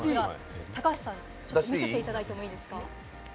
高橋さん、見せていただいていいですか？